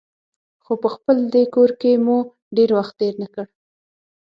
خو په خپل دې کور کې مو ډېر وخت تېر نه کړ.